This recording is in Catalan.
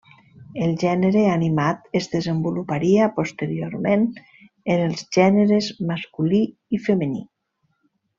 El gènere animat es desenvoluparia posteriorment en els gèneres masculí i femení.